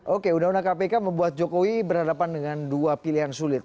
oke undang undang kpk membuat jokowi berhadapan dengan dua pilihan sulit